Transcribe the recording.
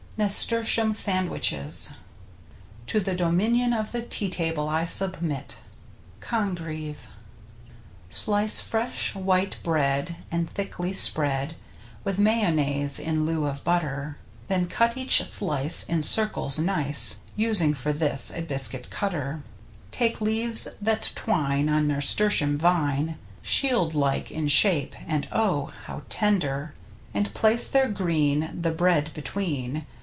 NASTURTIUM SANDWICHES To the dominion of the Tea table I submit. — Congreve. Slice fresh white bread and thickly spread With mayonnaise, in lieu of butter, Then cut each slice in circles nice — Using for this a biscuit cutter. Take leaves that twine on nasturtium vine, Shield like in shape, and oh! how ten der — And place their green the bread between.